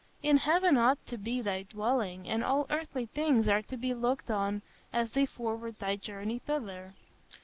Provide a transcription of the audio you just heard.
In heaven ought to be thy dwelling, and all earthly things are to be looked on as they forward thy journey thither.